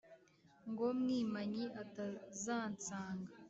Ngo Mwimanyi atazansanga.